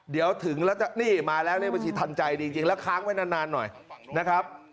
เดี๋ยวถึงแล้วนี่มาแล้วนี่บัญชีทันใจจริงแล้วค้างไว้นานหน่อยนะครับ